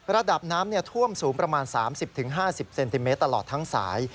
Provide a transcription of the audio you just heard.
ระดับน้ำท่วมสูงประมาณ๓๐๕๐เซนติเมตรตลอดทั้งสาย